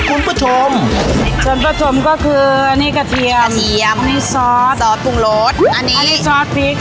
คุณผู้ชมคุณผู้ชมก็คืออันนี้กระเทียมกระเทียมอันนี้ซอสซอสปรุงรสอันนี้อันนี้ซอสพริก